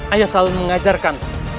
ayah selalu mengajarkan